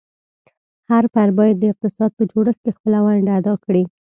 هر فرد باید د اقتصاد په جوړښت کې خپله ونډه ادا کړي.